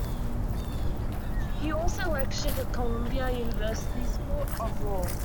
He also lectured at Columbia University School of Law.